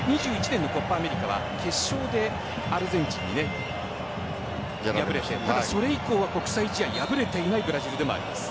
２０２１年のコパ・アメリカは決勝でアルゼンチンに敗れて、それ以降は国際試合に敗れていないブラジルでもあります。